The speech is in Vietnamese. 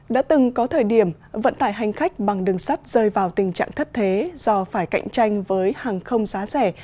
đã từng có thời điểm vận tải hành khách bằng đường sắt rơi vào tình trạng thất thế do phải cạnh tranh với hàng không giá rẻ